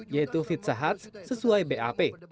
yaitu fitza hads sesuai bap